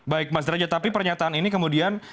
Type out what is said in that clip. baik mas derajat tapi pernyataan ini kemudian